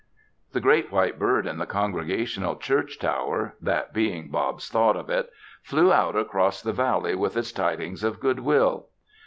The great white bird in the Congregational Church tower that being Bob's thought of it flew out across the valley with its tidings of good will.